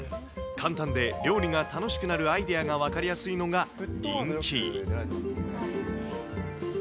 簡単で料理が楽しくなるアイデアが分かりやすいのが人気。